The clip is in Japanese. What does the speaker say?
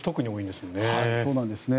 そうなんですね。